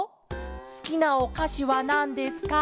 すきなおかしはなんですか？